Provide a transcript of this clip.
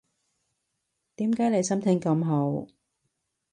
點解你心情咁好